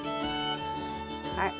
はい。